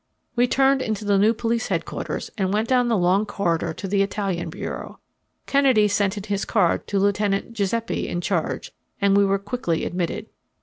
We turned into the new police headquarters and went down the long corridor to the Italian Bureau. Kennedy sent in his card to Lieutenant Giuseppe in charge, and we were quickly admitted.